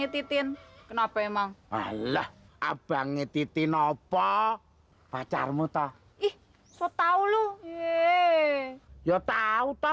y titin kenapa emang allah abang y titin opo pacarmu toh ih sotau lu yee yo tau toh